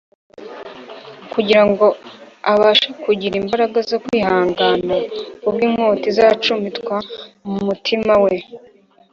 , kugira ngo abashe kugira imbaraga zo kwihangana, ubwo inkota izacumitwa mu mutima we